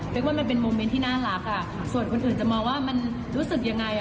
ว่ามันเป็นโมเมนต์ที่น่ารักส่วนคนอื่นจะมองว่ามันรู้สึกยังไง